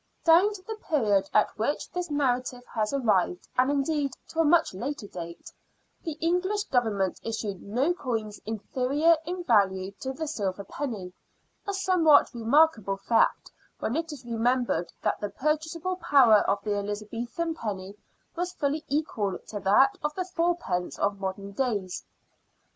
Down to the period at which this narrative has arrived, and indeed to a much later date, the English Government issued no coins inferior in value to the silver penny — a somewhat remarkable fact when it is remembered that the purchasable power of the Elizabethan penny was fully equal to that of the fourpence of modem days.